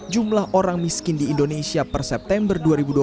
jumlah orang miskin di indonesia per september dua ribu dua puluh